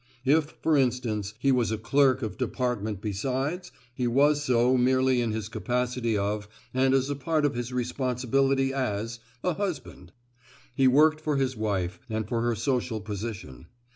If, for instance, he was a clerk of department besides, he was so merely in his capacity of, and as a part of his responsibility as—a husband. He worked for his wife, and for her social position.